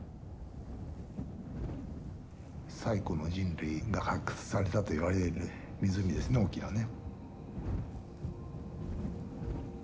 最古の人類が発掘されたといわれる湖ですねおっきなね。